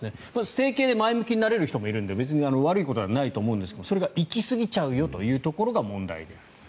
整形で前向きになれる人もいるのでそれは悪いことじゃないんですがそれが行きすぎちゃうよというところが問題である。